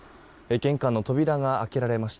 玄関の扉が開けられました。